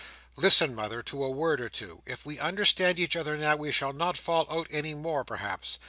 "Listen, mother, to a word or two. If we understand each other now, we shall not fall out any more, perhaps.